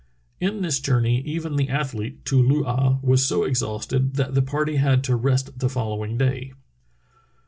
In this journey even the athlete, Too loo ah, was so ex hausted that the party had to rest the following day.